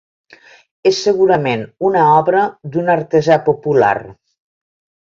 És segurament una obra d'un artesà popular.